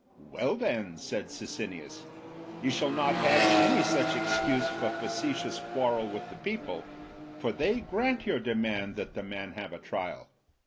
"Well then," said Sicinius, "ye shall not have any such excuse for factious quarrel with the people; for they grant your demand that the man have a trial.